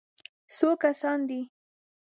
_څو کسان دي؟